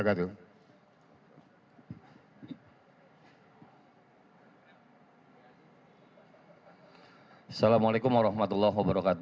assalamualaikum wr wb